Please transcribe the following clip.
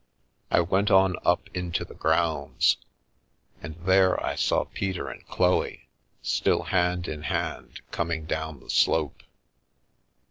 I went on up into the grounds, and there I saw Peter and Chloe, still hand in hand, coming down the slope.